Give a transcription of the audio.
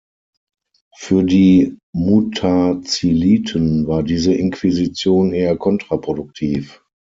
Für die Muʿtaziliten war diese Inquisition eher kontraproduktiv.